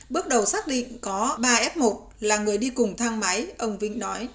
bước đầu xác định có ba f một là người đi cùng thang máy ông vĩnh nói